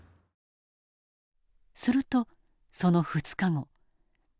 するとその２日後。